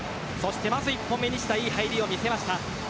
まず１本目、西田いい入りを見せました。